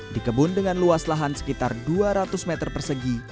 di kebun dengan luas lahan sekitar dua ratus meter persegi